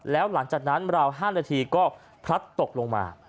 แล้วหลังจากนั้นราว๕นาทีก็พลัดตกลงมา